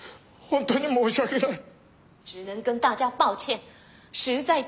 本当に申し訳ない！